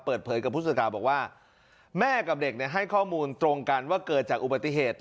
เปิดเผยกับพุทธกราบบอกว่าแม่กับเด็กเนี่ยให้ข้อมูลตรงกันว่าเกิดจากอุบัติเหตุ